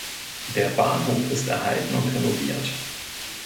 Der Bahnhof ist erhalten und renoviert.